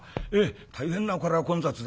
大変なこれは混雑で。